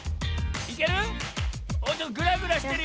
いける？